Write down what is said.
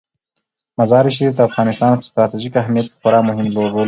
مزارشریف د افغانستان په ستراتیژیک اهمیت کې خورا مهم رول لري.